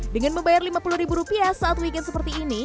dengan membayar lima puluh ribu rupiah saat weekend seperti ini